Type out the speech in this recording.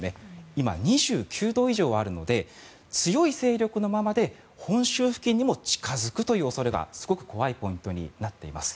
今、２９度以上あるので強い勢力のままで本州付近にも近付くという恐れがすごく怖いポイントになっています。